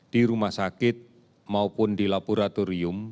di rumah sakit maupun di laboratorium